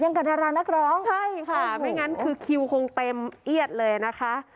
กับดารานักร้องใช่ค่ะไม่งั้นคือคิวคงเต็มเอียดเลยนะคะ